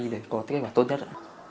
để có tính cách tốt nhất